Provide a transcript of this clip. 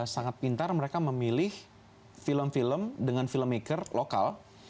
sangat pintar mereka memilih film film dengan filmmaker lokal